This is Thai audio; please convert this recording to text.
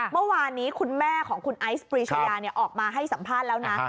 เมื่อวานนี้คุณแม่ของคุณไอซ์ปรีชายาออกมาให้สัมภาษณ์แล้วนะ